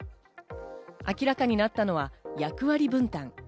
明らかになったのは役割分担。